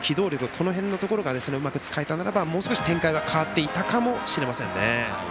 この辺のところがうまく使えたならばもう少し状況は変わっていたかもしれませんね。